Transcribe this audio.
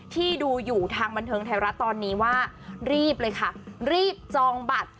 ที่ดูอยู่ทางบันเทิงไทยรัฐตอนนี้ว่ารีบเลยค่ะรีบจองบัตร